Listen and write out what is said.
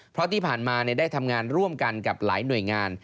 เพราะที่ผ่านมาได้ทำงานร่วมกันกับหลายหน่วยงาน